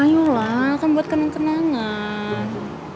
ayo lah kamu buat kenang kenangan